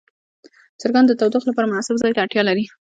چرګان د تودوخې لپاره مناسب ځای ته اړتیا لري.